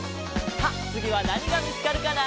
さあつぎはなにがみつかるかな？